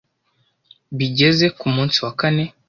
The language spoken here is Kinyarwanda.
Bigeze ku munsi wa kane,